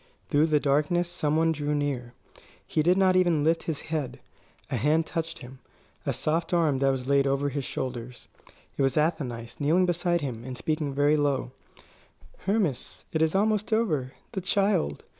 Through the darkness some one drew near. He did not even lift his head. A hand touched him; a soft arm was laid over his shoulders. It was Athenais, kneeling beside him and speaking very low: "Hermas it is almost over the child!